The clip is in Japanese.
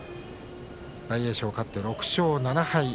大栄翔、勝って６勝７敗。